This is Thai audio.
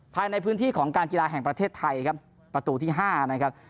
ภายในพื้นที่ของการกีฬาแห่งประเทศไทยครับประตูที่๕นะครับ